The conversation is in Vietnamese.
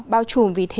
bao trùm vì thế